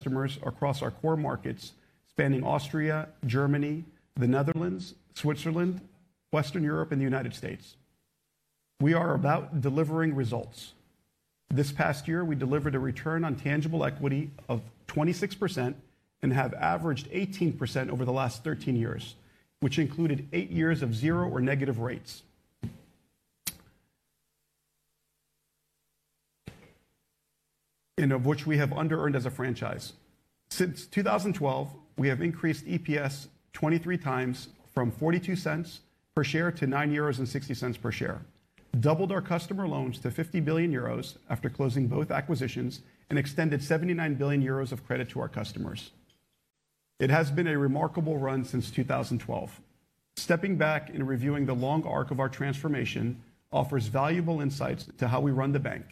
Customers across our core markets spanning Austria, Germany, the Netherlands, Switzerland, Western Europe, and the United States. We are about delivering results. This past year, we delivered a return on tangible equity of 26% and have averaged 18% over the last 13 years, which included eight years of zero or negative rates, in which we have under-earned as a franchise. Since 2012, we have increased EPS 23x from 0.42 per share to 9.60 euros per share, doubled our customer loans to 50 billion euros after closing both acquisitions, and extended 79 billion euros of credit to our customers. It has been a remarkable run since 2012. Stepping back and reviewing the long arc of our transformation offers valuable insights into how we run the bank.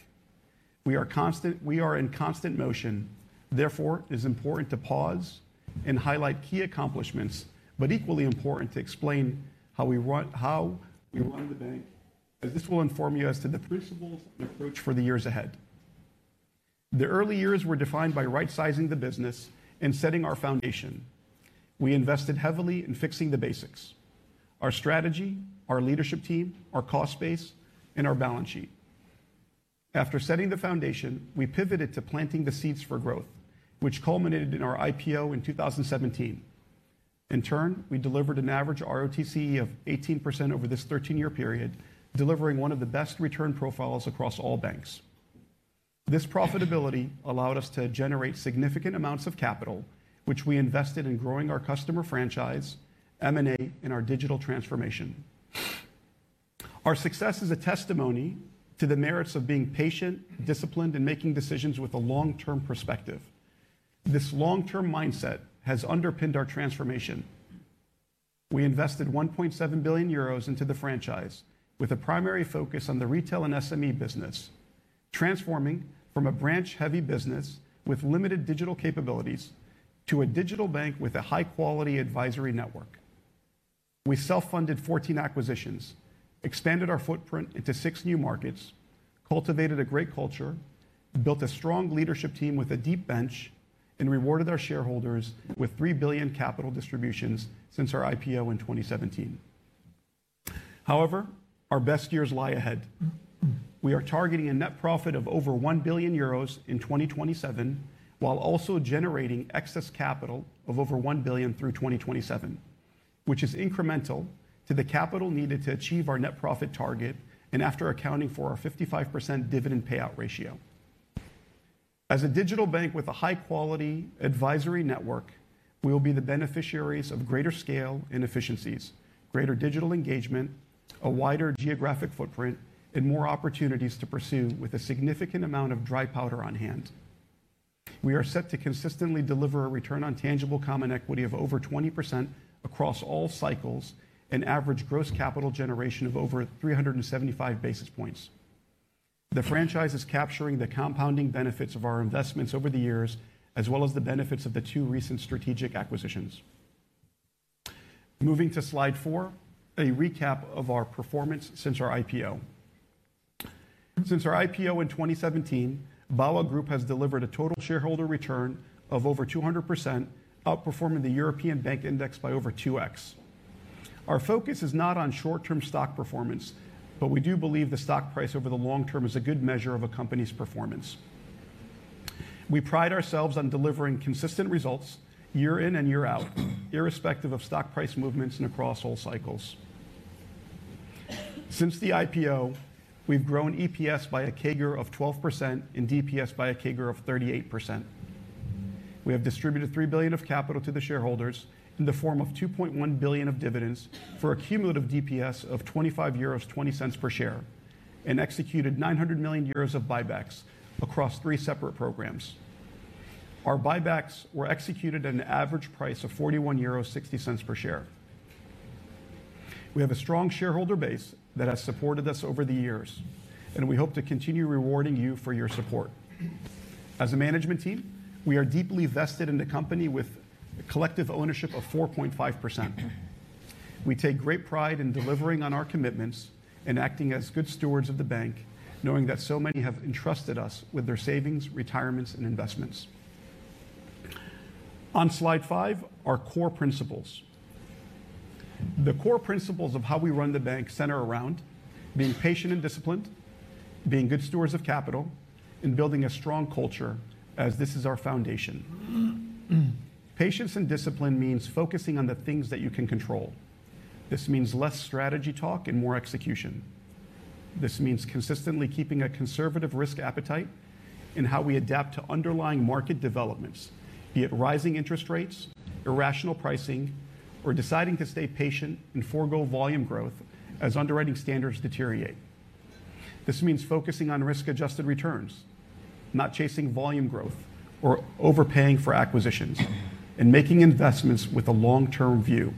We are in constant motion. Therefore, it is important to pause and highlight key accomplishments, but equally important to explain how we run the bank, as this will inform you as to the principles and approach for the years ahead. The early years were defined by right-sizing the business and setting our foundation. We invested heavily in fixing the basics: our strategy, our leadership team, our cost base, and our balance sheet. After setting the foundation, we pivoted to planting the seeds for growth, which culminated in our IPO in 2017. In turn, we delivered an average RoTCE of 18% over this 13-year period, delivering one of the best return profiles across all banks. This profitability allowed us to generate significant amounts of capital, which we invested in growing our customer franchise, M&A, and our digital transformation. Our success is a testimony to the merits of being patient, disciplined, and making decisions with a long-term perspective. This long-term mindset has underpinned our transformation. We invested 1.7 billion euros into the franchise, with a primary focus on the retail and SME business, transforming from a branch-heavy business with limited digital capabilities to a digital bank with a high-quality advisory network. We self-funded 14 acquisitions, expanded our footprint into six new markets, cultivated a great culture, built a strong leadership team with a deep bench, and rewarded our shareholders with 3 billion capital distributions since our IPO in 2017. However, our best years lie ahead. We are targeting a net profit of over 1 billion euros in 2027 while also generating excess capital of over 1 billion through 2027, which is incremental to the capital needed to achieve our net profit target and after accounting for our 55% dividend payout ratio. As a digital bank with a high-quality advisory network, we will be the beneficiaries of greater scale and efficiencies, greater digital engagement, a wider geographic footprint, and more opportunities to pursue with a significant amount of dry powder on hand. We are set to consistently deliver a return on tangible common equity of over 20% across all cycles and average gross capital generation of over 375 basis points. The franchise is capturing the compounding benefits of our investments over the years, as well as the benefits of the two recent strategic acquisitions. Moving to slide 4, a recap of our performance since our IPO. Since our IPO in 2017, BAWAG Group has delivered a total shareholder return of over 200%, outperforming the European Bank Index by over 2x. Our focus is not on short-term stock performance, but we do believe the stock price over the long term is a good measure of a company's performance. We pride ourselves on delivering consistent results year in and year out, irrespective of stock price movements and across all cycles. Since the IPO, we've grown EPS by a CAGR of 12% and DPS by a CAGR of 38%. We have distributed 3 billion of capital to the shareholders in the form of 2.1 billion of dividends for a cumulative DPS of 25.20 euros per share and executed 900 million euros of buybacks across three separate programs. Our buybacks were executed at an average price of 41.60 euros per share. We have a strong shareholder base that has supported us over the years, and we hope to continue rewarding you for your support. As a management team, we are deeply vested in the company with a collective ownership of 4.5%. We take great pride in delivering on our commitments and acting as good stewards of the bank, knowing that so many have entrusted us with their savings, retirements, and investments. On slide 5, our core principles. The core principles of how we run the bank center around being patient and disciplined, being good stewards of capital, and building a strong culture, as this is our foundation. Patience and discipline means focusing on the things that you can control. This means less strategy talk and more execution. This means consistently keeping a conservative risk appetite in how we adapt to underlying market developments, be it rising interest rates, irrational pricing, or deciding to stay patient and forgo volume growth as underwriting standards deteriorate. This means focusing on risk-adjusted returns, not chasing volume growth or overpaying for acquisitions, and making investments with a long-term view.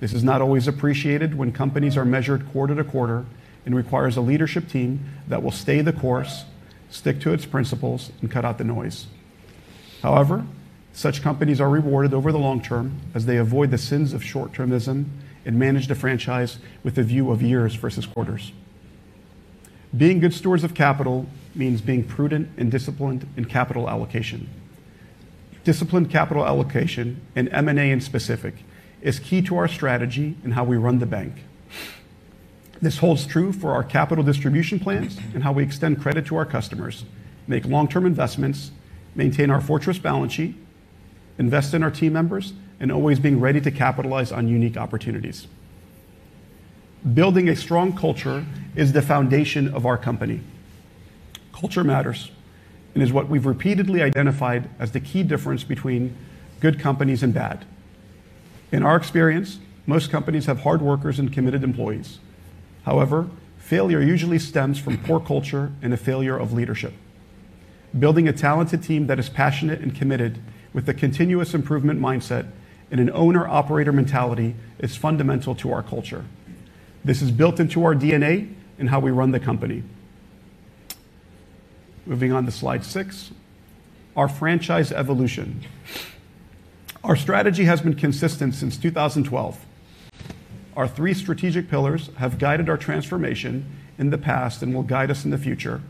This is not always appreciated when companies are measured quarter to quarter and requires a leadership team that will stay the course, stick to its principles, and cut out the noise. However, such companies are rewarded over the long term as they avoid the sins of short-termism and manage the franchise with a view of years versus quarters. Being good stewards of capital means being prudent and disciplined in capital allocation. Disciplined capital allocation and M&A in specific is key to our strategy and how we run the bank. This holds true for our capital distribution plans and how we extend credit to our customers, make long-term investments, maintain our fortress balance sheet, invest in our team members, and always be ready to capitalize on unique opportunities. Building a strong culture is the foundation of our company. Culture matters and is what we've repeatedly identified as the key difference between good companies and bad. In our experience, most companies have hard workers and committed employees. However, failure usually stems from poor culture and a failure of leadership. Building a talented team that is passionate and committed with a continuous improvement mindset and an owner-operator mentality is fundamental to our culture. This is built into our DNA and how we run the company. Moving on to slide 6, our franchise evolution. Our strategy has been consistent since 2012. Our three strategic pillars have guided our transformation in the past and will guide us in the future.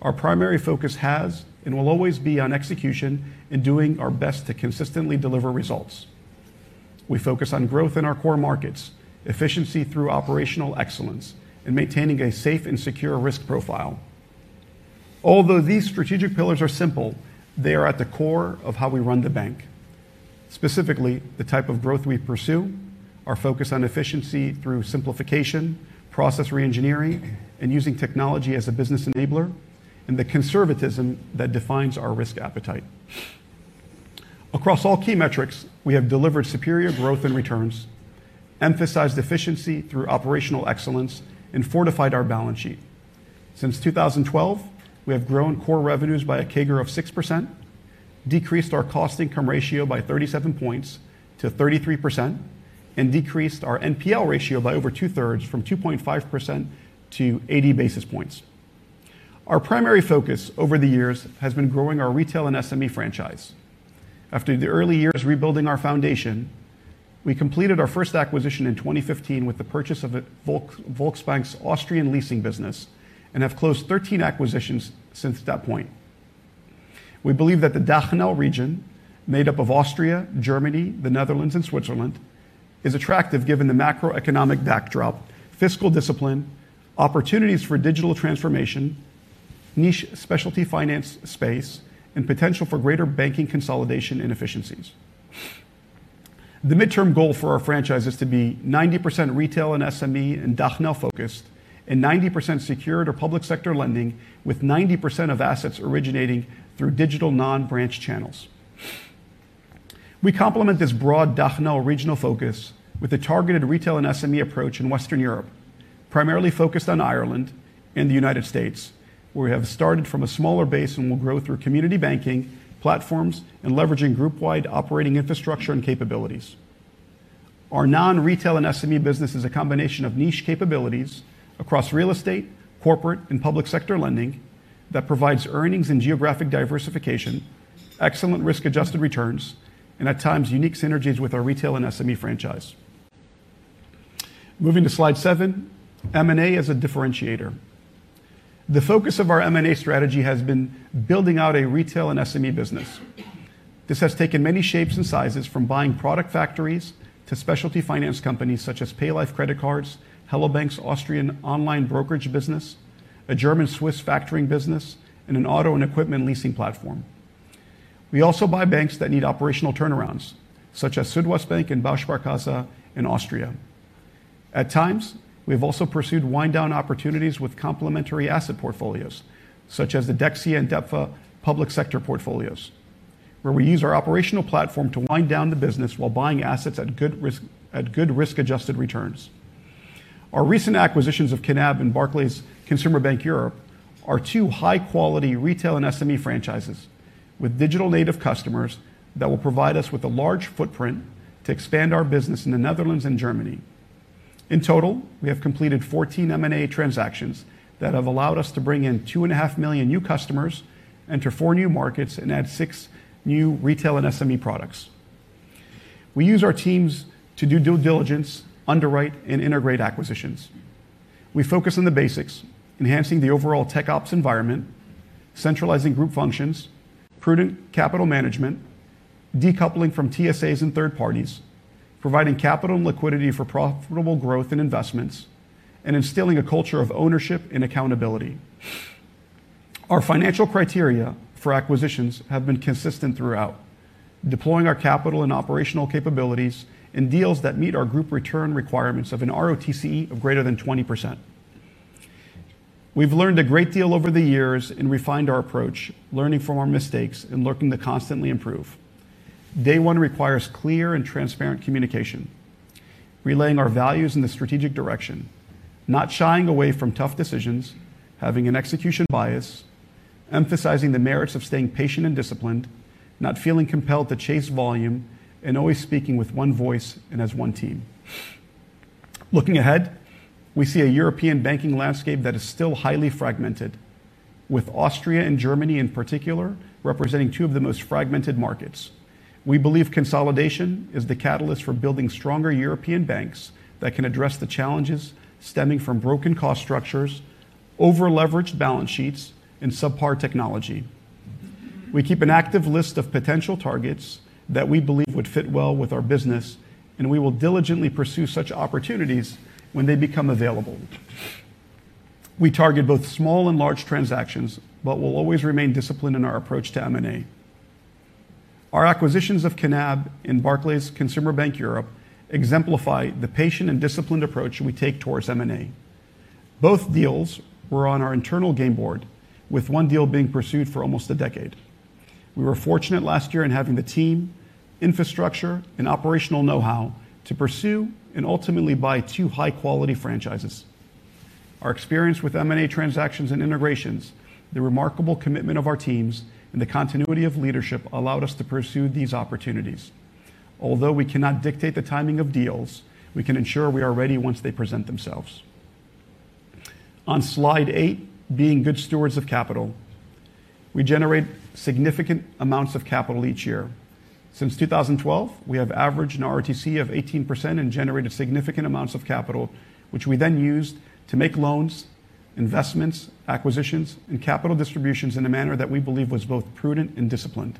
Our primary focus has and will always be on execution and doing our best to consistently deliver results. We focus on growth in our core markets, efficiency through operational excellence, and maintaining a safe and secure risk profile. Although these strategic pillars are simple, they are at the core of how we run the bank, specifically the type of growth we pursue, our focus on efficiency through simplification, process re-engineering, and using technology as a business enabler, and the conservatism that defines our risk appetite. Across all key metrics, we have delivered superior growth and returns, emphasized efficiency through operational excellence, and fortified our balance sheet. Since 2012, we have grown core revenues by a CAGR of 6%, decreased our cost income ratio by 37 points to 33%, and decreased our NPL ratio by over two-thirds from 2.5% to 80 basis points. Our primary focus over the years has been growing our retail and SME franchise. After the early years rebuilding our foundation, we completed our first acquisition in 2015 with the purchase of Volksbank's Austrian leasing business and have closed 13 acquisitions since that point. We believe that the DACH region, made up of Austria, Germany, the Netherlands, and Switzerland, is attractive given the macroeconomic backdrop, fiscal discipline, opportunities for digital transformation, niche specialty finance space, and potential for greater banking consolidation and efficiencies. The midterm goal for our franchise is to be 90% retail and SME and DACH-focused and 90% secured or public sector lending, with 90% of assets originating through digital non-branch channels. We complement this broad DACH regional focus with a targeted retail and SME approach in Western Europe, primarily focused on Ireland and the United States, where we have started from a smaller base and will grow through community banking platforms and leveraging group-wide operating infrastructure and capabilities. Our non-retail and SME business is a combination of niche capabilities across real estate, corporate, and public sector lending that provides earnings and geographic diversification, excellent risk-adjusted returns, and at times unique synergies with our retail and SME franchise. Moving to slide 7, M&A as a differentiator. The focus of our M&A strategy has been building out a retail and SME business. This has taken many shapes and sizes, from buying product factories to specialty finance companies such as PayLife Credit Cards, Hello bank!'s Austrian online brokerage business, a German-Swiss factoring business, and an auto and equipment leasing platform. We also buy banks that need operational turnarounds, such as Südwestbank and Start:Bausparkasse in Austria. At times, we have also pursued wind-down opportunities with complementary asset portfolios, such as the Dexia and DEPFA public sector portfolios, where we use our operational platform to wind down the business while buying assets at good risk-adjusted returns. Our recent acquisitions of Knab and Barclays Consumer Bank Europe are two high-quality retail and SME franchises with digital native customers that will provide us with a large footprint to expand our business in the Netherlands and Germany. In total, we have completed 14 M&A transactions that have allowed us to bring in 2.5 million new customers, enter four new markets, and add six new retail and SME products. We use our teams to do due diligence, underwrite, and integrate acquisitions. We focus on the basics, enhancing the overall tech ops environment, centralizing group functions, prudent capital management, decoupling from TSAs and third parties, providing capital and liquidity for profitable growth and investments, and instilling a culture of ownership and accountability. Our financial criteria for acquisitions have been consistent throughout, deploying our capital and operational capabilities in deals that meet our group return requirements of a RoTCE of greater than 20%. We've learned a great deal over the years and refined our approach, learning from our mistakes and looking to constantly improve. Day one requires clear and transparent communication, relaying our values in the strategic direction, not shying away from tough decisions, having an execution bias, emphasizing the merits of staying patient and disciplined, not feeling compelled to chase volume, and always speaking with one voice and as one team. Looking ahead, we see a European banking landscape that is still highly fragmented, with Austria and Germany in particular representing two of the most fragmented markets. We believe consolidation is the catalyst for building stronger European banks that can address the challenges stemming from broken cost structures, over-leveraged balance sheets, and subpar technology. We keep an active list of potential targets that we believe would fit well with our business, and we will diligently pursue such opportunities when they become available. We target both small and large transactions, but will always remain disciplined in our approach to M&A. Our acquisitions of Knab and Barclays Consumer Bank Europe exemplify the patient and disciplined approach we take towards M&A. Both deals were on our internal game board, with one deal being pursued for almost a decade. We were fortunate last year in having the team, infrastructure, and operational know-how to pursue and ultimately buy two high-quality franchises. Our experience with M&A transactions and integrations, the remarkable commitment of our teams, and the continuity of leadership allowed us to pursue these opportunities. Although we cannot dictate the timing of deals, we can ensure we are ready once they present themselves. On slide 8, being good stewards of capital, we generate significant amounts of capital each year. Since 2012, we have averaged a RoTCE of 18% and generated significant amounts of capital, which we then used to make loans, investments, acquisitions, and capital distributions in a manner that we believe was both prudent and disciplined.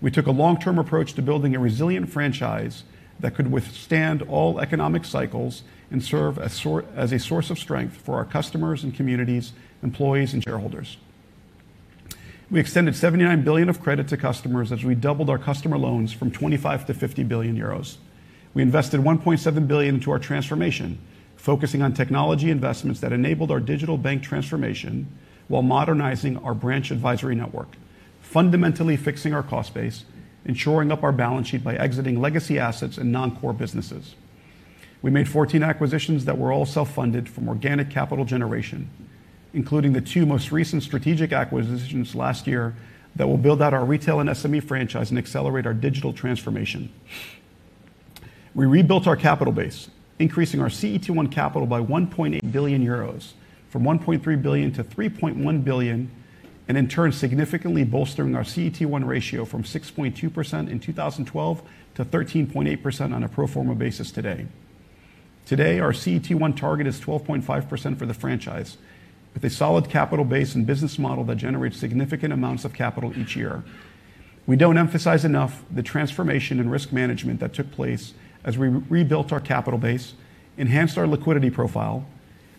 We took a long-term approach to building a resilient franchise that could withstand all economic cycles and serve as a source of strength for our customers and communities, employees, and shareholders. We extended 79 billion of credit to customers as we doubled our customer loans from 25 billion to 50 billion euros. We invested 1.7 billion into our transformation, focusing on technology investments that enabled our digital bank transformation while modernizing our branch advisory network, fundamentally fixing our cost base, and shoring up our balance sheet by exiting legacy assets and non-core businesses. We made 14 acquisitions that were all self-funded from organic capital generation, including the two most recent strategic acquisitions last year that will build out our retail and SME franchise and accelerate our digital transformation. We rebuilt our capital base, increasing our CET1 capital by 1.8 billion euros from 1.3 billion to 3.1 billion, and in turn, significantly bolstering our CET1 ratio from 6.2% in 2012 to 13.8% on a pro forma basis today. Today, our CET1 target is 12.5% for the franchise, with a solid capital base and business model that generates significant amounts of capital each year. We don't emphasize enough the transformation and risk management that took place as we rebuilt our capital base, enhanced our liquidity profile,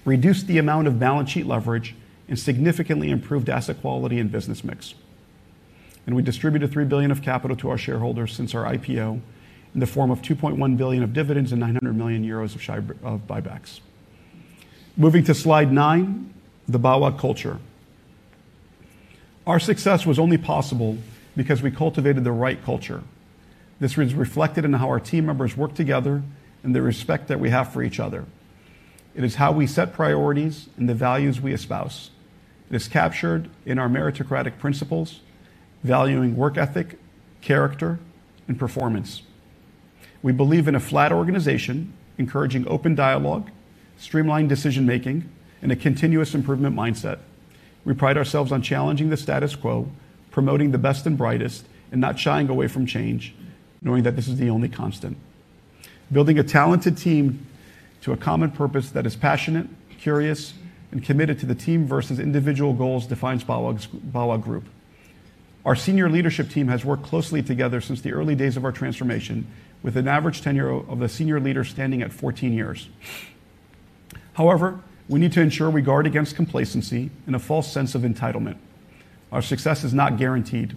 reduced the amount of balance sheet leverage, and significantly improved asset quality and business mix. And we distributed 3 billion of capital to our shareholders since our IPO in the form of 2.1 billion of dividends and 900 million euros of buybacks. Moving to slide 9, the BAWAG culture. Our success was only possible because we cultivated the right culture. This was reflected in how our team members work together and the respect that we have for each other. It is how we set priorities and the values we espouse. It is captured in our meritocratic principles, valuing work ethic, character, and performance. We believe in a flat organization, encouraging open dialogue, streamlined decision-making, and a continuous improvement mindset. We pride ourselves on challenging the status quo, promoting the best and brightest, and not shying away from change, knowing that this is the only constant. Building a talented team to a common purpose that is passionate, curious, and committed to the team versus individual goals defines BAWAG Group. Our senior leadership team has worked closely together since the early days of our transformation, with an average tenure of the senior leader standing at 14 years. However, we need to ensure we guard against complacency and a false sense of entitlement. Our success is not guaranteed.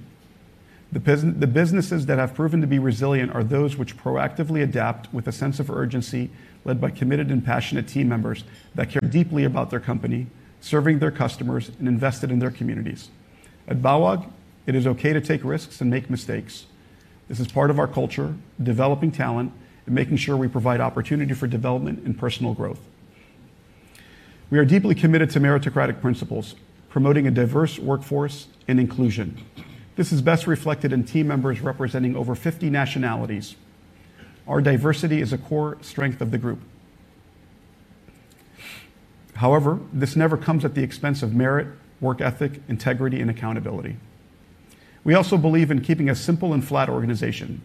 The businesses that have proven to be resilient are those which proactively adapt with a sense of urgency led by committed and passionate team members that care deeply about their company, serving their customers, and invested in their communities. At BAWAG, it is okay to take risks and make mistakes. This is part of our culture, developing talent, and making sure we provide opportunity for development and personal growth. We are deeply committed to meritocratic principles, promoting a diverse workforce and inclusion. This is best reflected in team members representing over 50 nationalities. Our diversity is a core strength of the group. However, this never comes at the expense of merit, work ethic, integrity, and accountability. We also believe in keeping a simple and flat organization,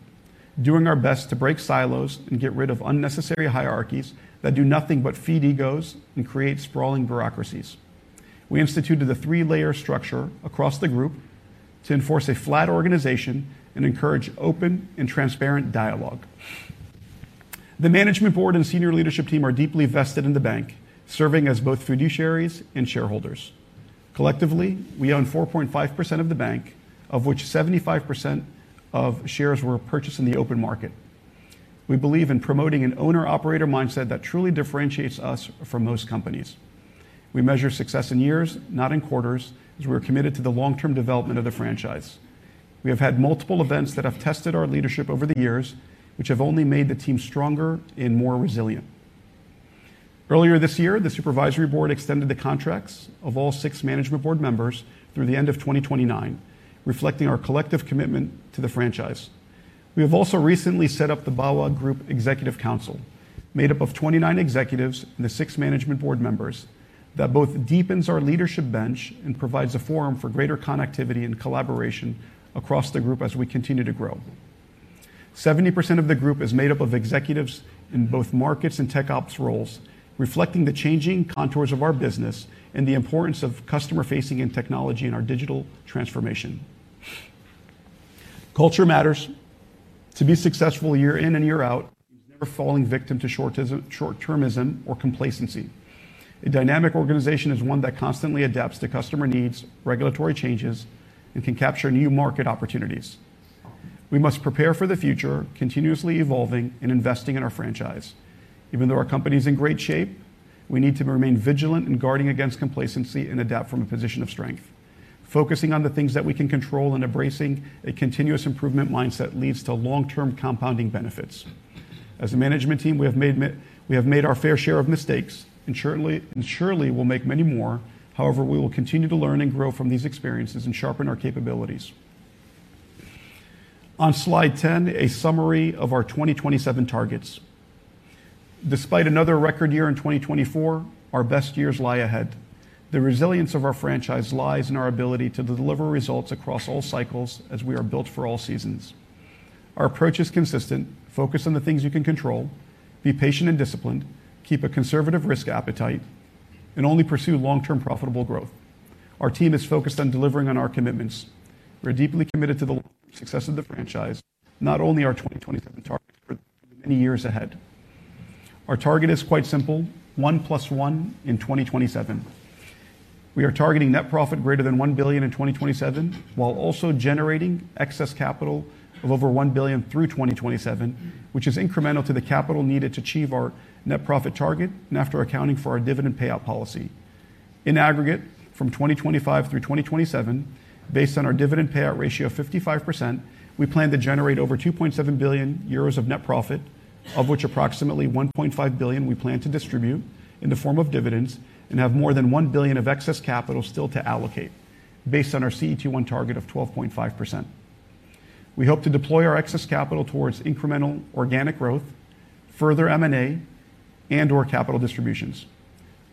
doing our best to break silos and get rid of unnecessary hierarchies that do nothing but feed egos and create sprawling bureaucracies. We instituted a three-layer structure across the group to enforce a flat organization and encourage open and transparent dialogue. The management board and senior leadership team are deeply vested in the bank, serving as both fiduciaries and shareholders. Collectively, we own 4.5% of the bank, of which 75% of shares were purchased in the open market. We believe in promoting an owner-operator mindset that truly differentiates us from most companies. We measure success in years, not in quarters, as we are committed to the long-term development of the franchise. We have had multiple events that have tested our leadership over the years, which have only made the team stronger and more resilient. Earlier this year, the supervisory board extended the contracts of all six management board members through the end of 2029, reflecting our collective commitment to the franchise. We have also recently set up the BAWAG Group Executive Council, made up of 29 executives and the six management board members, that both deepens our leadership bench and provides a forum for greater connectivity and collaboration across the group as we continue to grow. 70% of the group is made up of executives in both markets and tech ops roles, reflecting the changing contours of our business and the importance of customer-facing and technology in our digital transformation. Culture matters. To be successful year in and year out, we must never fall victim to short-termism or complacency. A dynamic organization is one that constantly adapts to customer needs, regulatory changes, and can capture new market opportunities. We must prepare for the future, continuously evolving and investing in our franchise. Even though our company is in great shape, we need to remain vigilant and guarding against complacency and adapt from a position of strength. Focusing on the things that we can control and embracing a continuous improvement mindset leads to long-term compounding benefits. As a management team, we have made our fair share of mistakes and surely willmake many more. However, we will continue to learn and grow from these experiences and sharpen our capabilities. On slide 10, a summary of our 2027 targets. Despite another record year in 2024, our best years lie ahead. The resilience of our franchise lies in our ability to deliver results across all cycles as we are built for all seasons. Our approach is consistent: focus on the things you can control, be patient and disciplined, keep a conservative risk appetite, and only pursue long-term profitable growth. Our team is focused on delivering on our commitments. We are deeply committed to the long-term success of the franchise, not only our 2027 target, but many years ahead. Our target is quite simple: 1 plus 1 in 2027. We are targeting net profit greater than 1 billion in 2027 while also generating excess capital of over 1 billion through 2027, which is incremental to the capital needed to achieve our net profit target and after accounting for our dividend payout policy. In aggregate, from 2025 through 2027, based on our dividend payout ratio of 55%, we plan to generate over 2.7 billion euros of net profit, of which approximately 1.5 billion we plan to distribute in the form of dividends and have more than 1 billion of excess capital still to allocate, based on our CET1 target of 12.5%. We hope to deploy our excess capital towards incremental organic growth, further M&A, and/or capital distributions.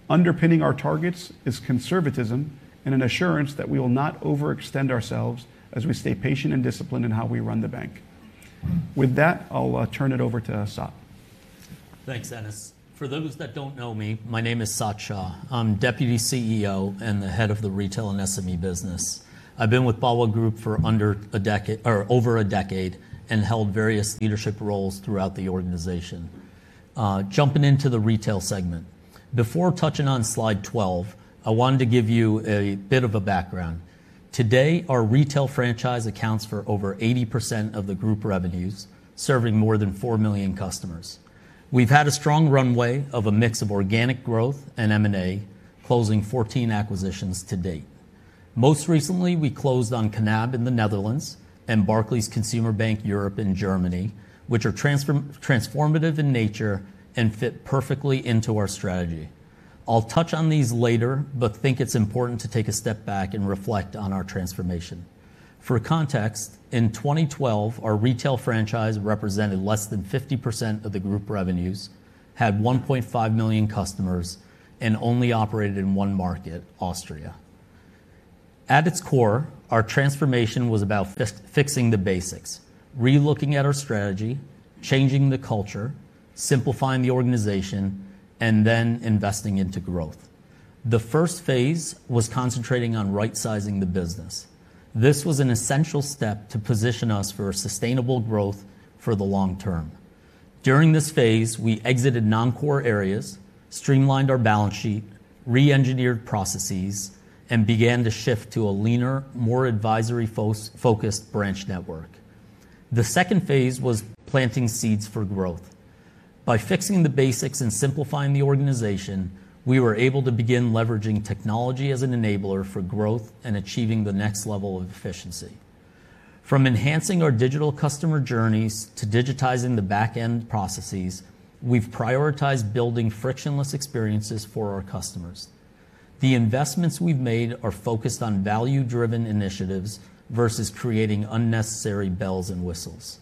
Underpinning our targets is conservatism and an assurance that we will not overextend ourselves as we stay patient and disciplined in how we run the bank. With that, I'll turn it over to Sat. Thanks, Anas. For those that don't know me, my name is Sat Shah. I'm Deputy CEO and the head of the retail and SME business. I've been with BAWAG Group for under a decade or over a decade and held various leadership roles throughout the organization. Jumping into the retail segment, before touching on slide 12, I wanted to give you a bit of a background. Today, our retail franchise accounts for over 80% of the group revenues, serving more than four million customers. We've had a strong runway of a mix of organic growth and M&A, closing 14 acquisitions to date. Most recently, we closed on Knab in the Netherlands and Barclays Consumer Bank Europe in Germany, which are transformative in nature and fit perfectly into our strategy. I'll touch on these later, but think it's important to take a step back and reflect on our transformation. For context, in 2012, our retail franchise represented less than 50% of the group revenues, had 1.5 million customers, and only operated in one market, Austria. At its core, our transformation was about fixing the basics, relooking at our strategy, changing the culture, simplifying the organization, and then investing into growth. The first phase was concentrating on right-sizing the business. This was an essential step to position us for sustainable growth for the long term. During this phase, we exited non-core areas, streamlined our balance sheet, re-engineered processes, and began to shift to a leaner, more advisory-focused branch network. The second phase was planting seeds for growth. By fixing the basics and simplifying the organization, we were able to begin leveraging technology as an enabler for growth and achieving the next level of efficiency. From enhancing our digital customer journeys to digitizing the back-end processes, we've prioritized building frictionless experiences for our customers. The investments we've made are focused on value-driven initiatives versus creating unnecessary bells and whistles.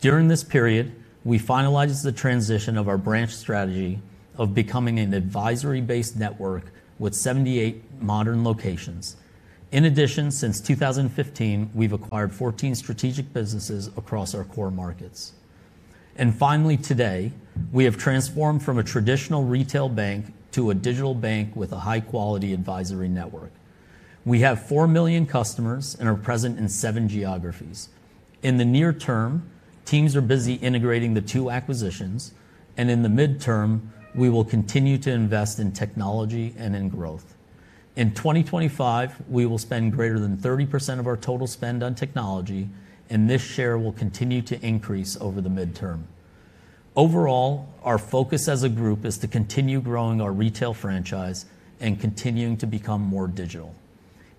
During this period, we finalized the transition of our branch strategy of becoming an advisory-based network with 78 modern locations. In addition, since 2015, we've acquired 14 strategic businesses across our core markets. And finally, today, we have transformed from a traditional retail bank to a digital bank with a high-quality advisory network. We have four million customers and are present in seven geographies. In the near term, teams are busy integrating the two acquisitions, and in the midterm, we will continue to invest in technology and in growth. In 2025, we will spend greater than 30% of our total spend on technology, and this share will continue to increase over the midterm. Overall, our focus as a group is to continue growing our retail franchise and continuing to become more digital.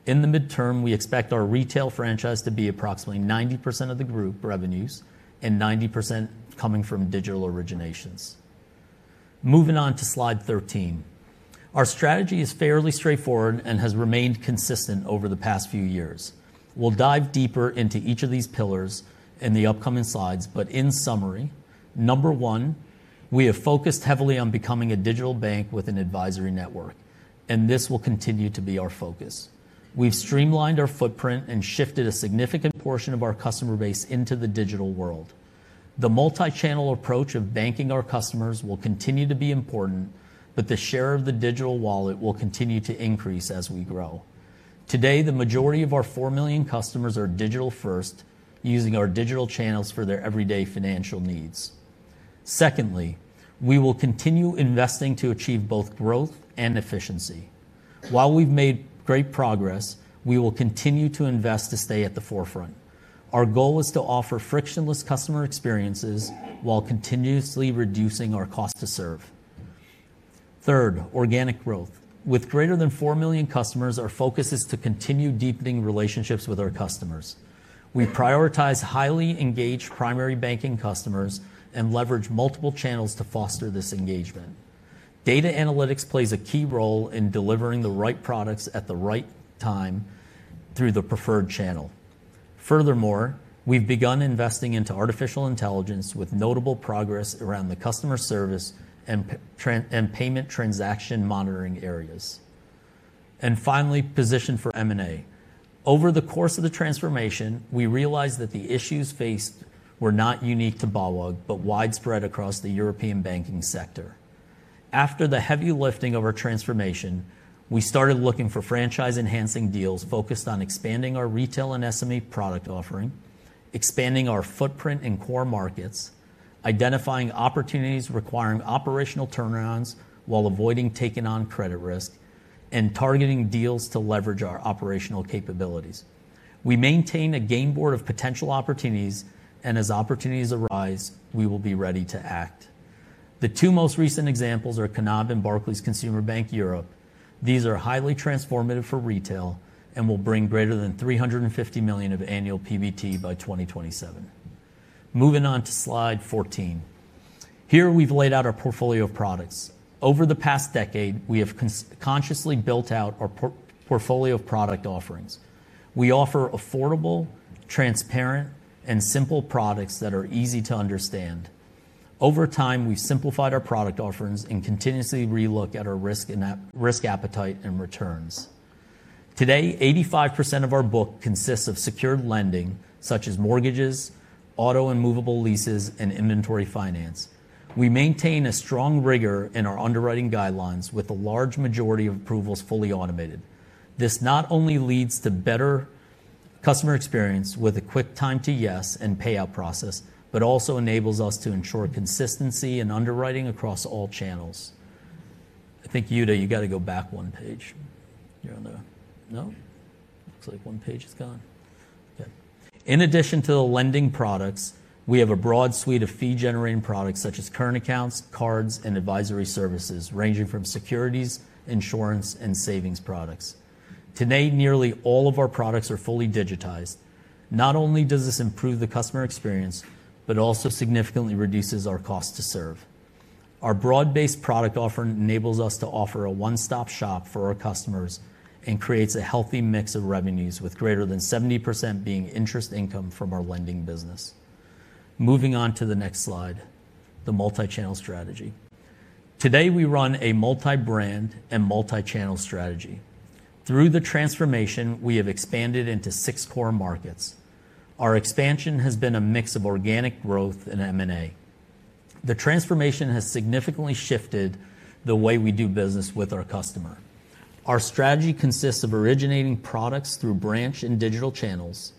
In the midterm, we expect our retail franchise to be approximately 90% of the group revenues and 90% coming from digital originations. Moving on to slide 13, our strategy is fairly straightforward and has remained consistent over the past few years. We'll dive deeper into each of these pillars in the upcoming slides, but in summary, number one, we have focused heavily on becoming a digital bank with an advisory network, and this will continue to be our focus. We've streamlined our footprint and shifted a significant portion of our customer base into the digital world. The multi-channel approach of banking our customers will continue to be important, but the share of the digital wallet will continue to increase as we grow. Today, the majority of our 4 million customers are digital-first, using our digital channels for their everyday financial needs. Secondly, we will continue investing to achieve both growth and efficiency. While we've made great progress, we will continue to invest to stay at the forefront. Our goal is to offer frictionless customer experiences while continuously reducing our cost to serve. Third, organic growth. With greater than 4 million customers, our focus is to continue deepening relationships with our customers. We prioritize highly engaged primary banking customers and leverage multiple channels to foster this engagement. Data analytics plays a key role in delivering the right products at the right time through the preferred channel. Furthermore, we've begun investing into artificial intelligence with notable progress around the customer service and payment transaction monitoring areas. And finally, position for M&A. Over the course of the transformation, we realized that the issues faced were not unique to BAWAG, but widespread across the European banking sector. After the heavy lifting of our transformation, we started looking for franchise-enhancing deals focused on expanding our retail and SME product offering, expanding our footprint in core markets, identifying opportunities requiring operational turnarounds while avoiding taking on credit risk, and targeting deals to leverage our operational capabilities. We maintain a game board of potential opportunities, and as opportunities arise, we will be ready to act. The two most recent examples are Knab and Barclays Consumer Bank Europe. These are highly transformative for retail and will bring greater than 350 million of annual PBT by 2027. Moving on to slide 14. Here, we've laid out our portfolio of products. Over the past decade, we have consciously built out our portfolio of product offerings. We offer affordable, transparent, and simple products that are easy to understand. Over time, we've simplified our product offerings and continuously relooked at our risk appetite and returns. Today, 85% of our book consists of secured lending, such as mortgages, auto and movable leases, and inventory finance. We maintain a strong rigor in our underwriting guidelines, with a large majority of approvals fully automated. This not only leads to better customer experience with a quick time to yes and payout process, but also enables us to ensure consistency in underwriting across all channels. I think, Yuda, you got to go back one page. You're on the—no? Looks like one page is gone. Okay. In addition to the lending products, we have a broad suite of fee-generating products, such as current accounts, cards, and advisory services, ranging from securities, insurance, and savings products. Today, nearly all of our products are fully digitized. Not only does this improve the customer experience, but also significantly reduces our cost to serve. Our broad-based product offering enables us to offer a one-stop shop for our customers and creates a healthy mix of revenues, with greater than 70% being interest income from our lending business. Moving on to the next slide, the multi-channel strategy. Today, we run a multi-brand and multi-channel strategy. Through the transformation, we have expanded into six core markets. Our expansion has been a mix of organic growth and M&A. The transformation has significantly shifted the way we do business with our customer. Our strategy consists of originating products through branch and digital channels.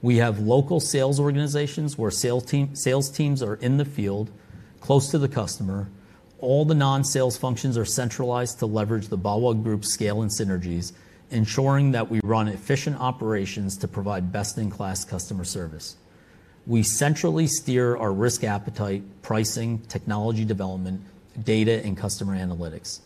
We have local sales organizations where sales teams are in the field, close to the customer. All the non-sales functions are centralized to leverage the BAWAG Group's scale and synergies, ensuring that we run efficient operations to provide best-in-class customer service. We centrally steer our risk appetite, pricing, technology development, data, and customer analytics.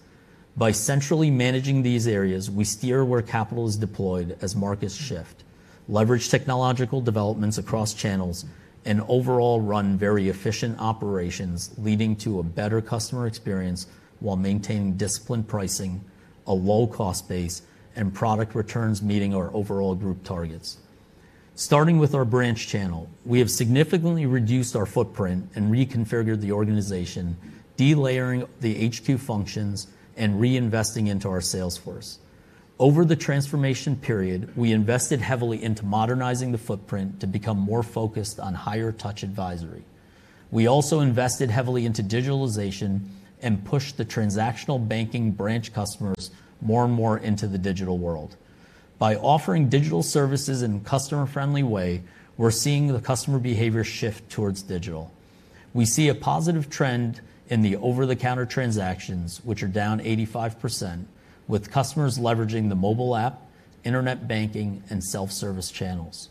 By centrally managing these areas, we steer where capital is deployed as markets shift, leverage technological developments across channels, and overall run very efficient operations, leading to a better customer experience while maintaining disciplined pricing, a low-cost base, and product returns meeting our overall group targets. Starting with our branch channel, we have significantly reduced our footprint and reconfigured the organization, delayering the HQ functions and reinvesting into our sales force. Over the transformation period, we invested heavily into modernizing the footprint to become more focused on higher-touch advisory. We also invested heavily into digitalization and pushed the transactional banking branch customers more and more into the digital world. By offering digital services in a customer-friendly way, we're seeing the customer behavior shift towards digital. We see a positive trend in the over-the-counter transactions, which are down 85%, with customers leveraging the mobile app, internet banking, and self-service channels.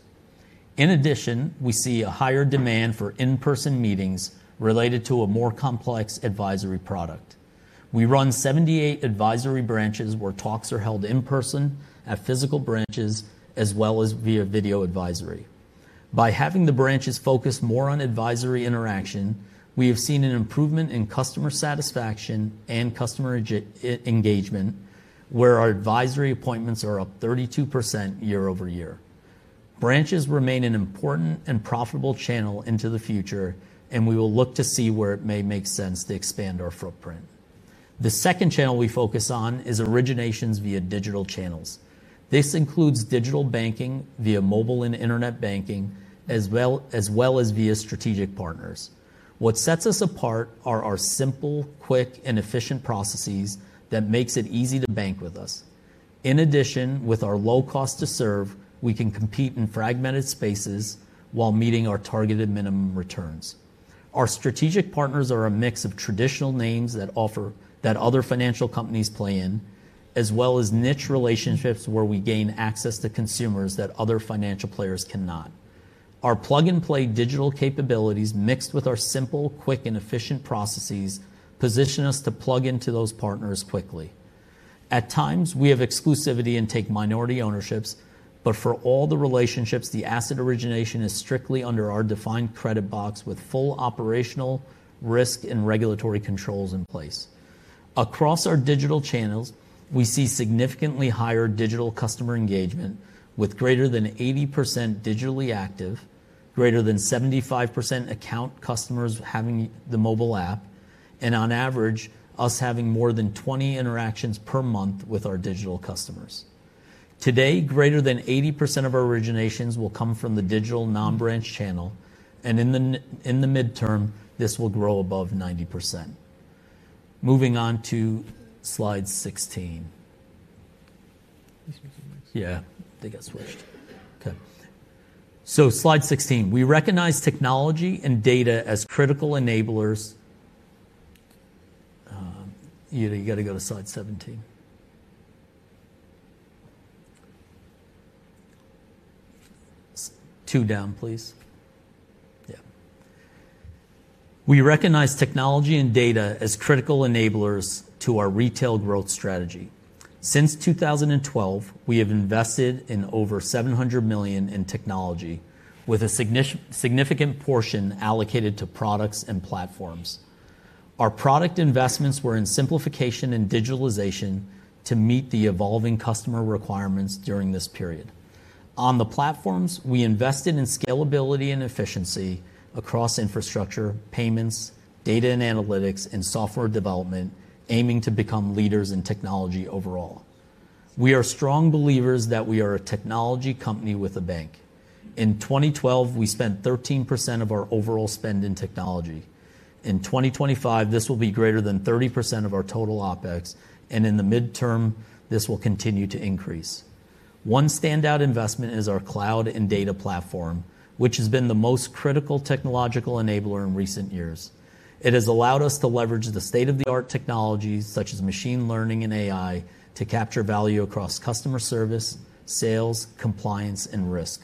In addition, we see a higher demand for in-person meetings related to a more complex advisory product. We run 78 advisory branches where talks are held in person at physical branches, as well as via video advisory. By having the branches focus more on advisory interaction, we have seen an improvement in customer satisfaction and customer engagement, where our advisory appointments are up 32% year over year. Branches remain an important and profitable channel into the future, and we will look to see where it may make sense to expand our footprint. The second channel we focus on is originations via digital channels. This includes digital banking via mobile and internet banking, as well as via strategic partners. What sets us apart are our simple, quick, and efficient processes that make it easy to bank with us. In addition, with our low cost to serve, we can compete in fragmented spaces while meeting our targeted minimum returns. Our strategic partners are a mix of traditional names that other financial companies play in, as well as niche relationships where we gain access to consumers that other financial players cannot. Our plug-and-play digital capabilities, mixed with our simple, quick, and efficient processes, position us to plug into those partners quickly. At times, we have exclusivity and take minority ownerships, but for all the relationships, the asset origination is strictly under our defined credit box with full operational, risk, and regulatory controls in place. Across our digital channels, we see significantly higher digital customer engagement, with greater than 80% digitally active, greater than 75% account customers having the mobile app, and on average, us having more than 20 interactions per month with our digital customers. Today, greater than 80% of our originations will come from the digital non-branch channel, and in the midterm, this will grow above 90%. Moving on to slide 16. Yeah, they got switched. Okay. So slide 16, we recognize technology and data as critical enablers. Yuda, you got to go to slide 17. Two down, please. Yeah. We recognize technology and data as critical enablers to our retail growth strategy. Since 2012, we have invested in over 700 million in technology, with a significant portion allocated to products and platforms. Our product investments were in simplification and digitalization to meet the evolving customer requirements during this period. On the platforms, we invested in scalability and efficiency across infrastructure, payments, data and analytics, and software development, aiming to become leaders in technology overall. We are strong believers that we are a technology company with a bank. In 2012, we spent 13% of our overall spend in technology. In 2025, this will be greater than 30% of our total OPEX, and in the midterm, this will continue to increase. One standout investment is our cloud and data platform, which has been the most critical technological enabler in recent years. It has allowed us to leverage the state-of-the-art technologies, such as machine learning and AI, to capture value across customer service, sales, compliance, and risk.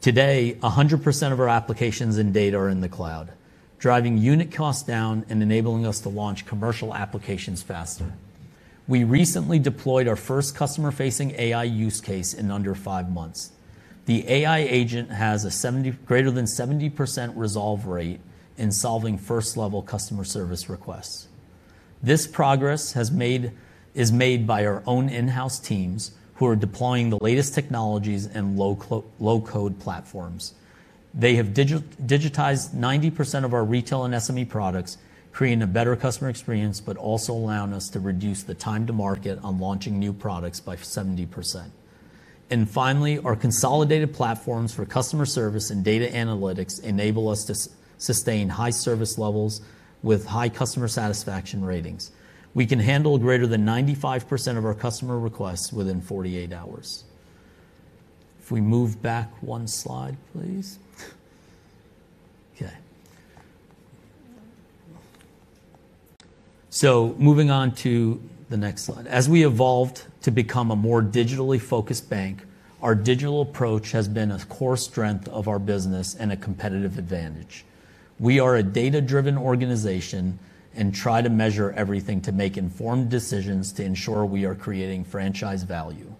Today, 100% of our applications and data are in the cloud, driving unit costs down and enabling us to launch commercial applications faster. We recently deployed our first customer-facing AI use case in under five months. The AI agent has a greater than 70% resolve rate in solving first-level customer service requests. This progress is made by our own in-house teams who are deploying the latest technologies and low-code platforms. They have digitized 90% of our retail and SME products, creating a better customer experience, but also allowing us to reduce the time to market on launching new products by 70%, and finally, our consolidated platforms for customer service and data analytics enable us to sustain high service levels with high customer satisfaction ratings. We can handle greater than 95% of our customer requests within 48 hours. If we move back one slide, please. Okay, so moving on to the next slide. As we evolved to become a more digitally focused bank, our digital approach has been a core strength of our business and a competitive advantage. We are a data-driven organization and try to measure everything to make informed decisions to ensure we are creating franchise value.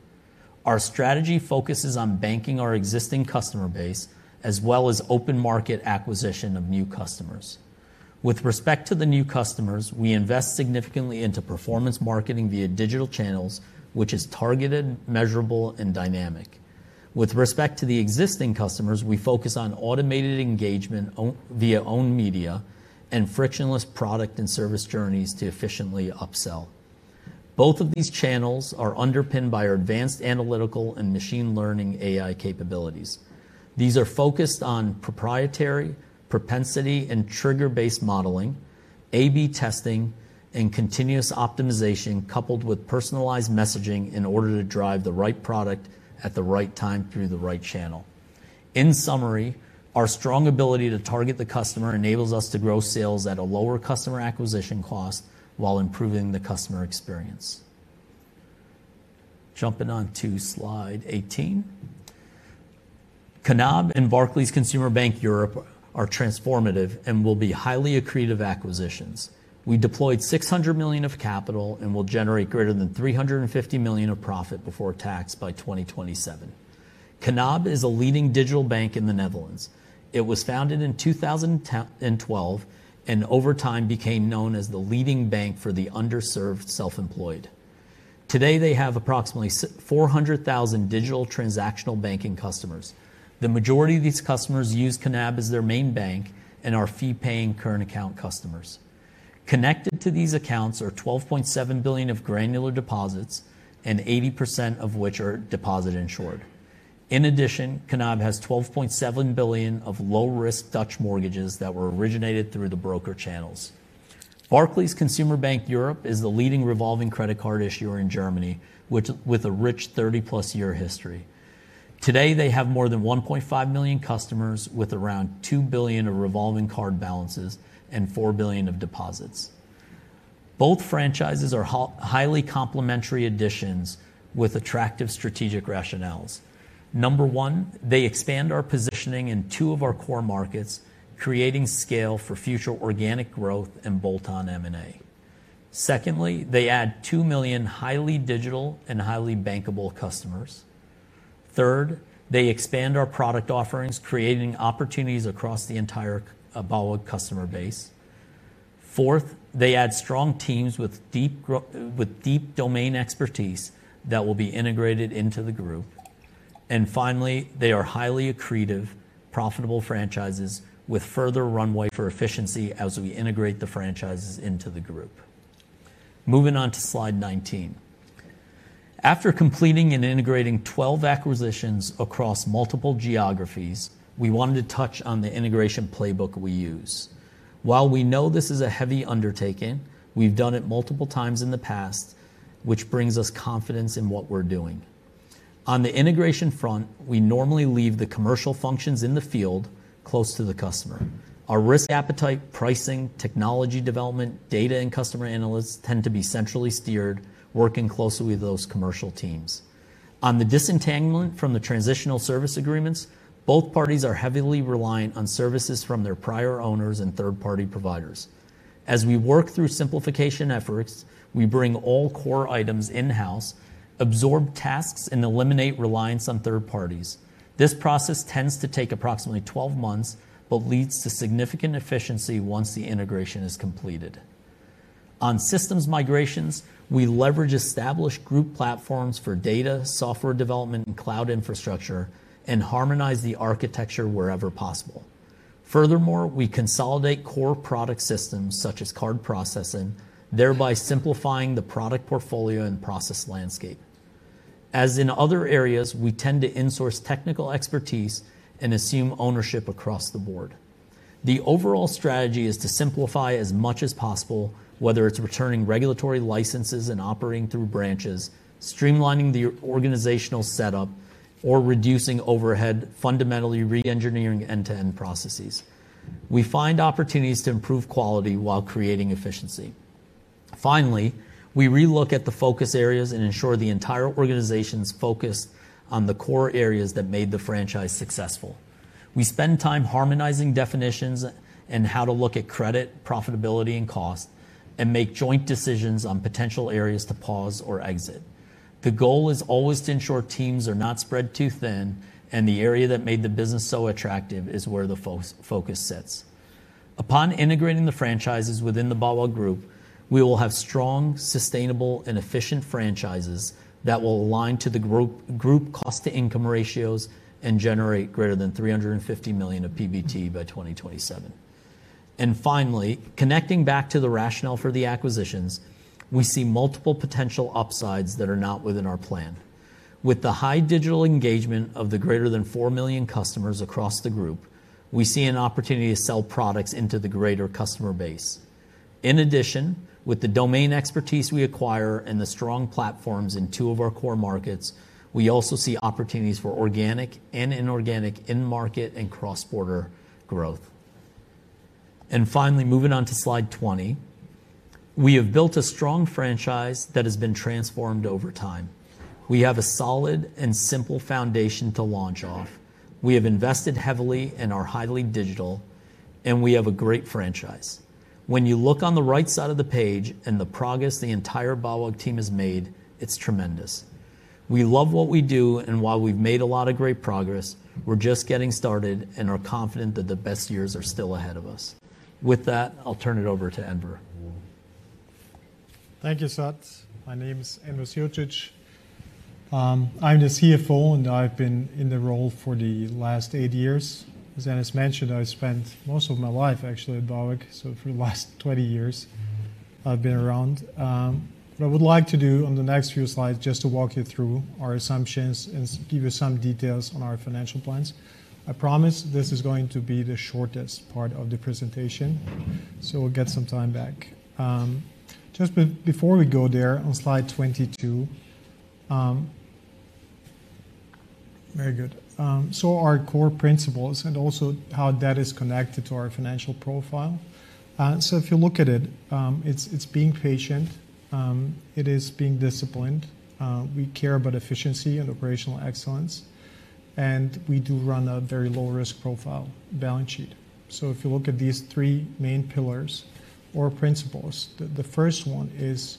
Our strategy focuses on banking our existing customer base as well as open market acquisition of new customers. With respect to the new customers, we invest significantly into performance marketing via digital channels, which is targeted, measurable, and dynamic. With respect to the existing customers, we focus on automated engagement via own media and frictionless product and service journeys to efficiently upsell. Both of these channels are underpinned by our advanced analytical and machine learning AI capabilities. These are focused on proprietary, propensity, and trigger-based modeling, A/B testing, and continuous optimization coupled with personalized messaging in order to drive the right product at the right time through the right channel. In summary, our strong ability to target the customer enables us to grow sales at a lower customer acquisition cost while improving the customer experience. Jumping on to slide 18. Knab and Barclays Consumer Bank Europe are transformative and will be highly accretive acquisitions. We deployed 600 million of capital and will generate greater than 350 million of profit before tax by 2027. Knab is a leading digital bank in the Netherlands. It was founded in 2012 and over time became known as the leading bank for the underserved self-employed. Today, they have approximately 400,000 digital transactional banking customers. The majority of these customers use Knab as their main bank and are fee-paying current account customers. Connected to these accounts are 12.7 billion of granular deposits, and 80% of which are deposit insured. In addition, Knab has 12.7 billion of low-risk Dutch mortgages that were originated through the broker channels. Barclays Consumer Bank Europe is the leading revolving credit card issuer in Germany, with a rich 30-plus-year history. Today, they have more than 1.5 million customers with around 2 billion of revolving card balances and 4 billion of deposits. Both franchises are highly complementary additions with attractive strategic rationales. Number one, they expand our positioning in two of our core markets, creating scale for future organic growth and bolt-on M&A. Secondly, they add 2 million highly digital and highly bankable customers. Third, they expand our product offerings, creating opportunities across the entire BAWAG customer base. Fourth, they add strong teams with deep domain expertise that will be integrated into the group. And finally, they are highly accretive, profitable franchises with further runway for efficiency as we integrate the franchises into the group. Moving on to slide 19. After completing and integrating 12 acquisitions across multiple geographies, we wanted to touch on the integration playbook we use. While we know this is a heavy undertaking, we've done it multiple times in the past, which brings us confidence in what we're doing. On the integration front, we normally leave the commercial functions in the field close to the customer. Our risk appetite, pricing, technology development, data, and customer analysts tend to be centrally steered, working closely with those commercial teams. On the disentanglement from the transitional service agreements, both parties are heavily reliant on services from their prior owners and third-party providers. As we work through simplification efforts, we bring all core items in-house, absorb tasks, and eliminate reliance on third parties. This process tends to take approximately 12 months but leads to significant efficiency once the integration is completed. On systems migrations, we leverage established group platforms for data, software development, and cloud infrastructure, and harmonize the architecture wherever possible. Furthermore, we consolidate core product systems such as card processing, thereby simplifying the product portfolio and process landscape. As in other areas, we tend to insource technical expertise and assume ownership across the board. The overall strategy is to simplify as much as possible, whether it's returning regulatory licenses and operating through branches, streamlining the organizational setup, or reducing overhead, fundamentally re-engineering end-to-end processes. We find opportunities to improve quality while creating efficiency. Finally, we relook at the focus areas and ensure the entire organization's focus on the core areas that made the franchise successful. We spend time harmonizing definitions and how to look at credit, profitability, and cost, and make joint decisions on potential areas to pause or exit. The goal is always to ensure teams are not spread too thin, and the area that made the business so attractive is where the focus sits. Upon integrating the franchises within the BAWAG Group, we will have strong, sustainable, and efficient franchises that will align to the group cost-to-income ratios and generate greater than 350 million of PBT by 2027. And finally, connecting back to the rationale for the acquisitions, we see multiple potential upsides that are not within our plan. With the high digital engagement of the greater than four million customers across the group, we see an opportunity to sell products into the greater customer base. In addition, with the domain expertise we acquire and the strong platforms in two of our core markets, we also see opportunities for organic and inorganic in-market and cross-border growth. And finally, moving on to slide 20, we have built a strong franchise that has been transformed over time. We have a solid and simple foundation to launch off. We have invested heavily and are highly digital, and we have a great franchise. When you look on the right side of the page and the progress the entire BAWAG team has made, it's tremendous. We love what we do, and while we've made a lot of great progress, we're just getting started and are confident that the best years are still ahead of us. With that, I'll turn it over to Enver. Thank you, Sat. My name is Enver Sirucic. I'm the CFO, and I've been in the role for the last eight years. As Enver mentioned, I spent most of my life actually at BAWAG, so for the last 20 years, I've been around. What I would like to do on the next few slides is just to walk you through our assumptions and give you some details on our financial plans. I promise this is going to be the shortest part of the presentation, so we'll get some time back. Just before we go there, on slide 22. Very good. So our core principles and also how that is connected to our financial profile. So if you look at it, it's being patient. It is being disciplined. We care about efficiency and operational excellence, and we do run a very low-risk profile balance sheet. So if you look at these three main pillars or principles, the first one is,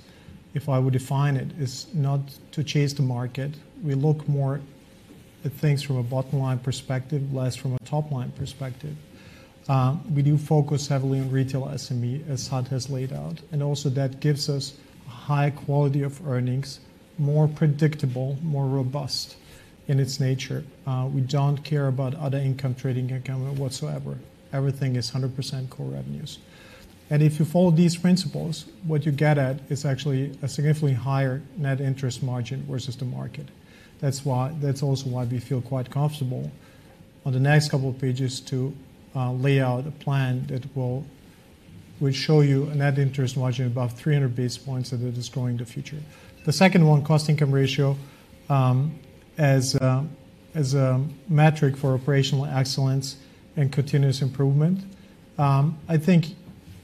if I would define it, it's not to chase the market. We look more at things from a bottom-line perspective, less from a top-line perspective. We do focus heavily on retail SME, as Sat has laid out, and also that gives us a high quality of earnings, more predictable, more robust in its nature. We don't care about other income trading income whatsoever. Everything is 100% core revenues. And if you follow these principles, what you get at is actually a significantly higher net interest margin versus the market. That's also why we feel quite comfortable on the next couple of pages to lay out a plan that will show you a net interest margin above 300 basis points that is growing in the future. The second one, Cost-Income Ratio, as a metric for operational excellence and continuous improvement. I think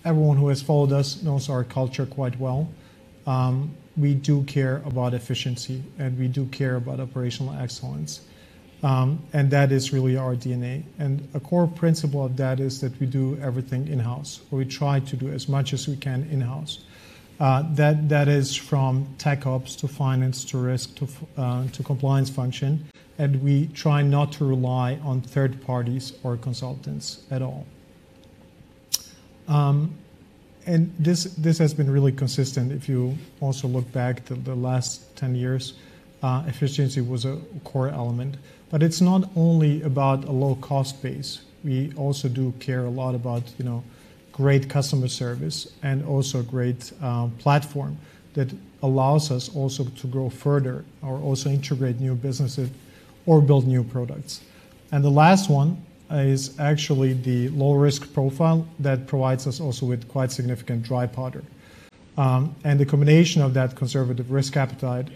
everyone who has followed us knows our culture quite well. We do care about efficiency, and we do care about operational excellence, and that is really our DNA, and a core principle of that is that we do everything in-house. We try to do as much as we can in-house. That is from tech ops to finance to risk to compliance function, and we try not to rely on third parties or consultants at all, and this has been really consistent. If you also look back to the last 10 years, efficiency was a core element, but it's not only about a low-cost base. We also do care a lot about great customer service and also a great platform that allows us also to grow further or also integrate new businesses or build new products. And the last one is actually the low-risk profile that provides us also with quite significant dry powder. And the combination of that conservative risk appetite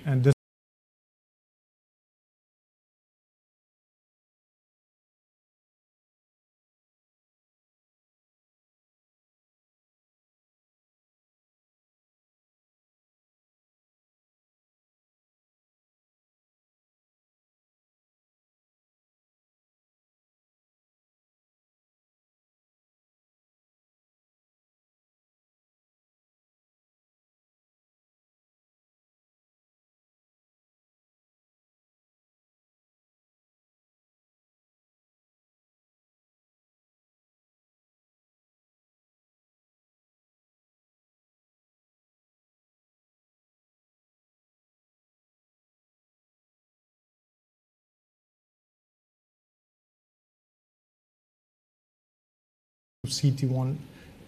and CET1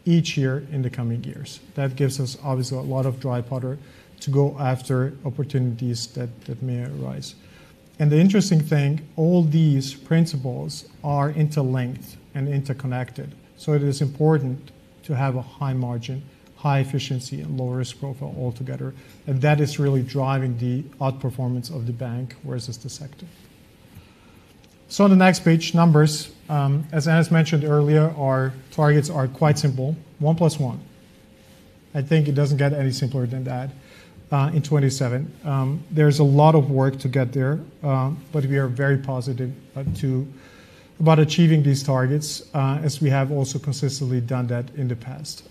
each year in the coming years. That gives us obviously a lot of dry powder to go after opportunities that may arise. And the interesting thing, all these principles are interlinked and interconnected, so it is important to have a high margin, high efficiency, and low-risk profile altogether, and that is really driving the outperformance of the bank versus the sector. So on the next page, numbers. As Enver mentioned earlier, our targets are quite simple: one plus one. I think it doesn't get any simpler than that in 2027. There's a lot of work to get there, but we are very positive about achieving these targets, as we have also consistently done that in the past.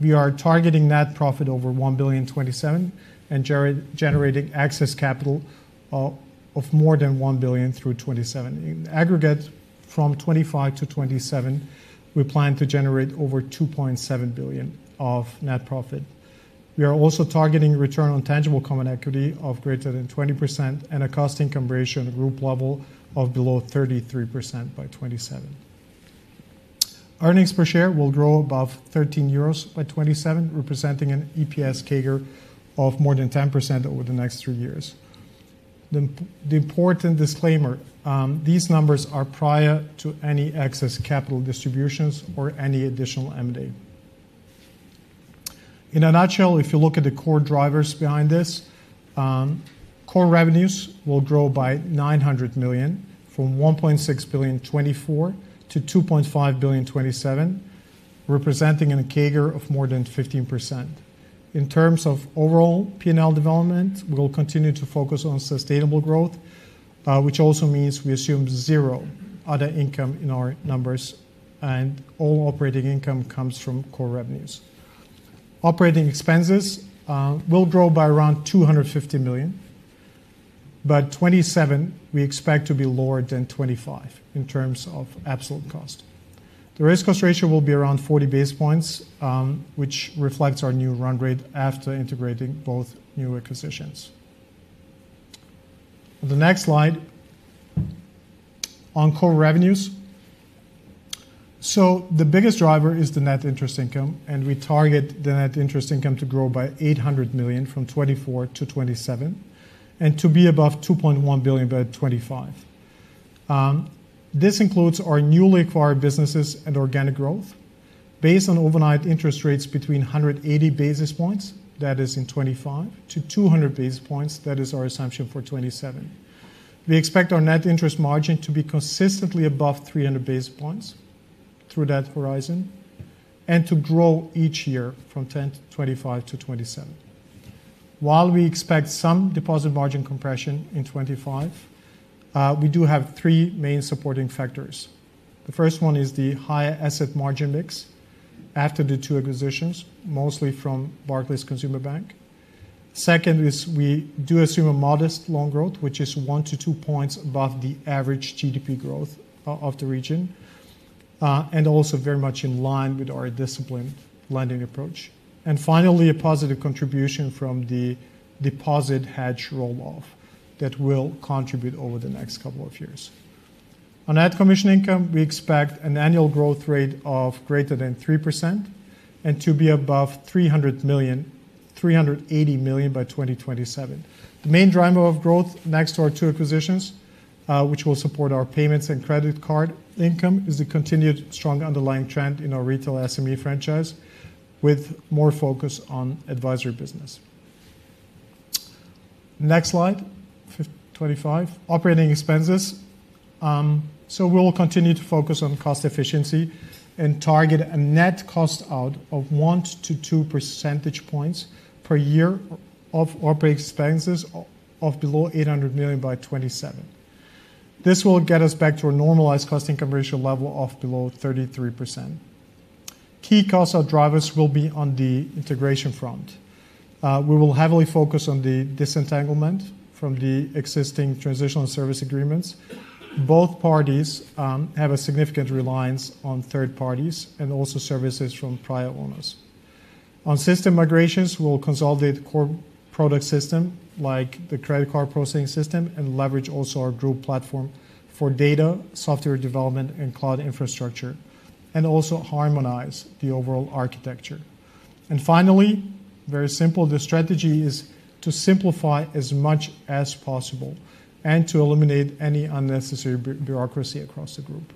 We are targeting net profit over 1 billion in 2027 and generating excess capital of more than 1 billion through 2027. In aggregate, from 2025 to 2027, we plan to generate over 2.7 billion of net profit. We are also targeting return on tangible common equity of greater than 20% and a cost-income ratio at the group level of below 33% by 2027. Earnings per share will grow above 13 euros by 2027, representing an EPS CAGR of more than 10% over the next three years. The important disclaimer: these numbers are prior to any excess capital distributions or any additional M&A. In a nutshell, if you look at the core drivers behind this, core revenues will grow by 900 million from 1.6 billion in 2024 to 2.5 billion in 2027, representing a CAGR of more than 15%. In terms of overall P&L development, we'll continue to focus on sustainable growth, which also means we assume zero other income in our numbers, and all operating income comes from core revenues. Operating expenses will grow by around 250 million, but 2027 we expect to be lower than 2025 in terms of absolute cost. The risk cost ratio will be around 40 basis points, which reflects our new run rate after integrating both new acquisitions. On the next slide, on core revenues. The biggest driver is the net interest income, and we target the net interest income to grow by 800 million from 2024 to 2027 and to be above 2.1 billion by 2025. This includes our newly acquired businesses and organic growth. Based on overnight interest rates between 180 basis points, that is in 2025, to 200 basis points, that is our assumption for 2027. We expect our net interest margin to be consistently above 300 basis points through that horizon and to grow each year from 2025 to 2027. While we expect some deposit margin compression in 2025, we do have three main supporting factors. The first one is the high asset margin mix after the two acquisitions, mostly from Barclays Consumer Bank. Second is we do assume a modest loan growth, which is one to two points above the average GDP growth of the region and also very much in line with our disciplined lending approach. And finally, a positive contribution from the deposit hedge rolloff that will contribute over the next couple of years. On net commission income, we expect an annual growth rate of greater than 3% and to be above 380 million by 2027. The main driver of growth next to our two acquisitions, which will support our payments and credit card income, is the continued strong underlying trend in our retail SME franchise with more focus on advisory business. Next slide, 2025. Operating expenses. So we'll continue to focus on cost efficiency and target a net cost out of one to two percentage points per year of operating expenses of below 800 million by 2027. This will get us back to a normalized cost-income ratio level of below 33%. Key cost out drivers will be on the integration front. We will heavily focus on the disentanglement from the existing transitional service agreements. Both parties have a significant reliance on third parties and also services from prior owners. On system migrations, we'll consolidate core product systems like the credit card processing system and leverage also our group platform for data software development and cloud infrastructure and also harmonize the overall architecture, and finally, very simple, the strategy is to simplify as much as possible and to eliminate any unnecessary bureaucracy across the group.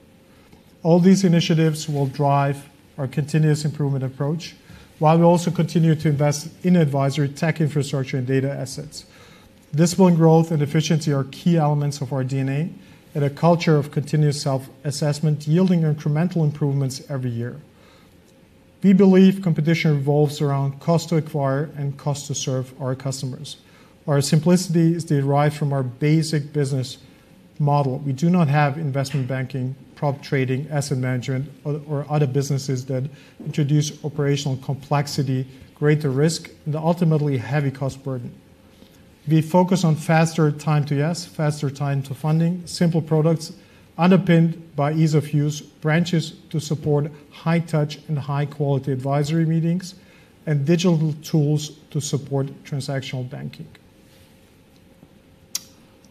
All these initiatives will drive our continuous improvement approach while we also continue to invest in advisory tech infrastructure and data assets. Disciplined growth and efficiency are key elements of our DNA and a culture of continuous self-assessment yielding incremental improvements every year. We believe competition revolves around cost to acquire and cost to serve our customers. Our simplicity is derived from our basic business model. We do not have investment banking, prop trading, asset management, or other businesses that introduce operational complexity, greater risk, and ultimately heavy cost burden. We focus on faster time to yes, faster time to funding, simple products underpinned by ease of use, branches to support high-touch and high-quality advisory meetings, and digital tools to support transactional banking.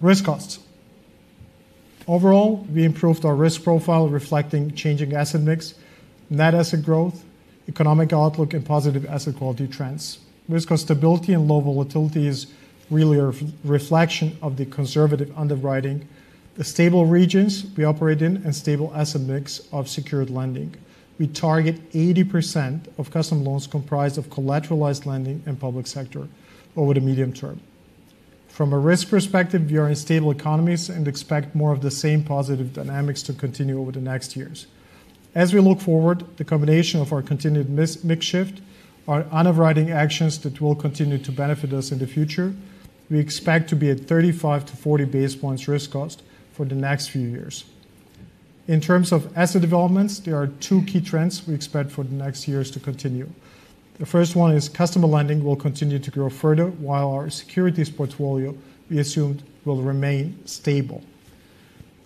Risk costs. Overall, we improved our risk profile reflecting changing asset mix, net asset growth, economic outlook, and positive asset quality trends. Risk cost stability and low volatility is really a reflection of the conservative underwriting, the stable regions we operate in, and stable asset mix of secured lending. We target 80% of customer loans comprised of collateralized lending and public sector over the medium term. From a risk perspective, we are in stable economies and expect more of the same positive dynamics to continue over the next years. As we look forward, the combination of our continued mix shift, our underwriting actions that will continue to benefit us in the future, we expect to be at 35-40 basis points risk cost for the next few years. In terms of asset developments, there are two key trends we expect for the next years to continue. The first one is customer lending will continue to grow further while our securities portfolio we assumed will remain stable.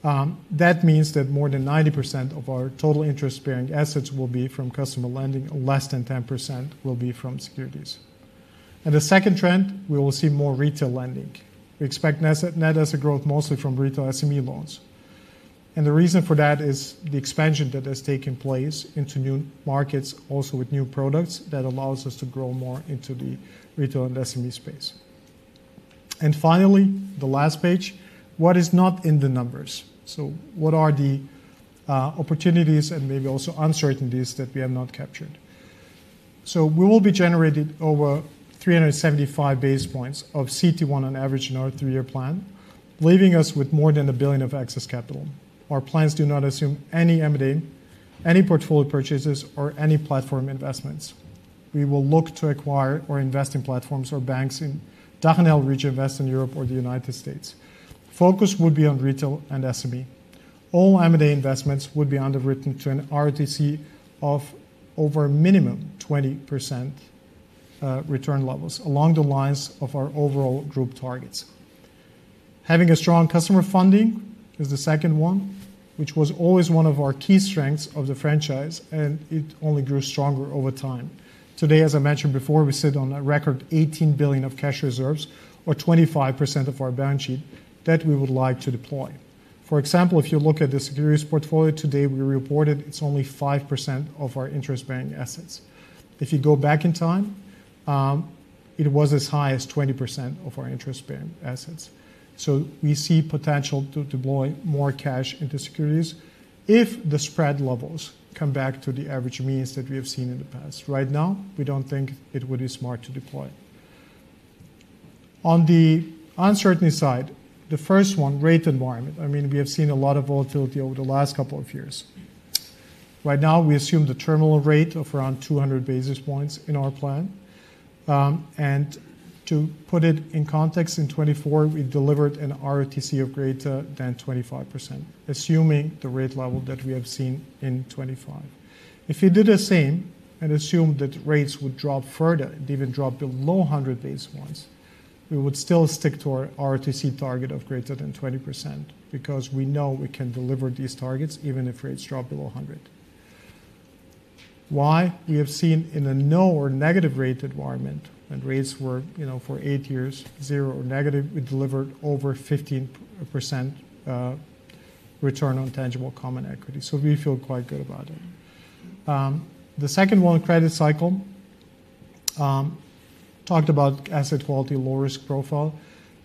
That means that more than 90% of our total interest-bearing assets will be from customer lending and less than 10% will be from securities. And the second trend, we will see more retail lending. We expect net asset growth mostly from retail SME loans. The reason for that is the expansion that has taken place into new markets, also with new products that allows us to grow more into the retail and SME space. Finally, the last page, what is not in the numbers? What are the opportunities and maybe also uncertainties that we have not captured? We will be generating over 375 basis points of CET1 on average in our three-year plan, leaving us with more than 1 billion of excess capital. Our plans do not assume any M&A, any portfolio purchases, or any platform investments. We will look to acquire or invest in platforms or banks in DACH and legacy investments in Europe or the United States. Focus would be on retail and SME. All M&A investments would be underwritten to a RoTCE of over minimum 20% return levels along the lines of our overall group targets. Having a strong customer funding is the second one, which was always one of our key strengths of the franchise, and it only grew stronger over time. Today, as I mentioned before, we sit on a record 18 billion of cash reserves or 25% of our balance sheet that we would like to deploy. For example, if you look at the securities portfolio today, we reported it's only 5% of our interest-bearing assets. If you go back in time, it was as high as 20% of our interest-bearing assets. So we see potential to deploy more cash into securities if the spread levels come back to the average means that we have seen in the past. Right now, we don't think it would be smart to deploy. On the uncertainty side, the first one, rate environment. I mean, we have seen a lot of volatility over the last couple of years. Right now, we assume the terminal rate of around 200 basis points in our plan, and to put it in context, in 2024, we delivered a RoTCE of greater than 25%, assuming the rate level that we have seen in 2025. If we did the same and assumed that rates would drop further, even drop below 100 basis points, we would still stick to our RoTCE target of greater than 20% because we know we can deliver these targets even if rates drop below 100. Why? We have seen in a no or negative rate environment when rates were for eight years zero or negative, we delivered over 15% return on tangible common equity, so we feel quite good about it. The second one, credit cycle, talked about asset quality, low risk profile.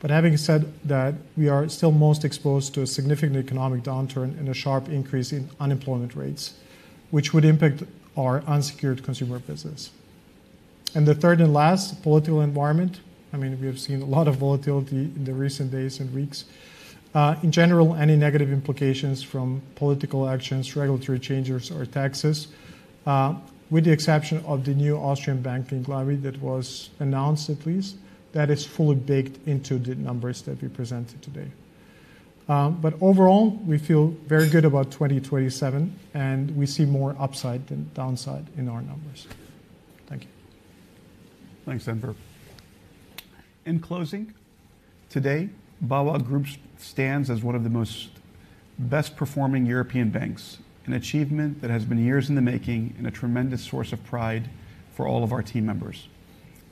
But having said that, we are still most exposed to a significant economic downturn and a sharp increase in unemployment rates, which would impact our unsecured consumer business, and the third and last, political environment. I mean, we have seen a lot of volatility in the recent days and weeks. In general, any negative implications from political actions, regulatory changes, or taxes, with the exception of the new Austrian banking levy that was announced at least, that is fully baked into the numbers that we presented today. But overall, we feel very good about 2027, and we see more upside than downside in our numbers. Thank you. Thanks, Enver. In closing, today, BAWAG Group stands as one of the most best-performing European banks, an achievement that has been years in the making and a tremendous source of pride for all of our team members.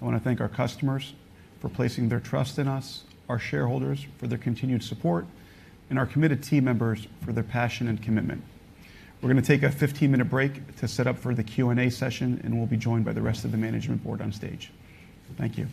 I want to thank our customers for placing their trust in us, our shareholders for their continued support, and our committed team members for their passion and commitment. We're going to take a 15-minute break to set up for the Q&A session, and we'll be joined by the rest of the management board on stage. Thank you.